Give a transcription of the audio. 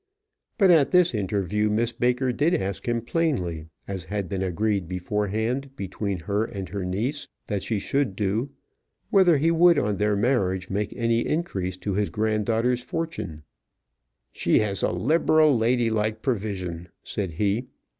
But at this interview Miss Baker did ask him plainly, as had been agreed beforehand between her and her niece that she should do, whether he would on their marriage make any increase to his granddaughter's fortune. "She has a liberal, ladylike provision," said he.